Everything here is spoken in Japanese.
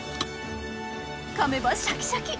噛めばシャキシャキ！